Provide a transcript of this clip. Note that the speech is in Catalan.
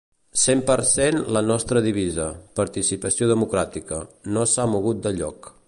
Cent per cent La nostra divisa, participació democràtica, no s’ha mogut de lloc.